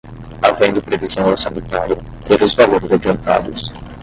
havendo previsão orçamentária, ter os valores adiantados